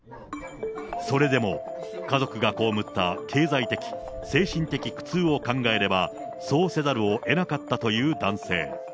それでも家族が被った経済的、精神的苦痛を考えればそうせざるをえなかったという男性。